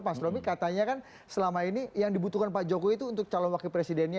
mas romi katanya kan selama ini yang dibutuhkan pak jokowi itu untuk calon wakil presidennya